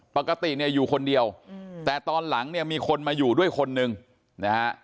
ปกติเนี่ยอยู่คนเดียวแต่ตอนหลังเนี่ยมีคนมาอยู่ด้วยคนหนึ่งนะฮะ